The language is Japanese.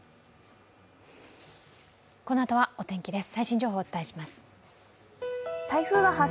このあとはお天気です。